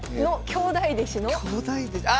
兄弟弟子あ！